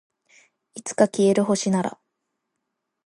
いつか消える星なら